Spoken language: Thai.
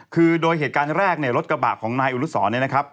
คือโดยเหตุการณ์แรกรถกระบะของนายอุลุศรนะครับ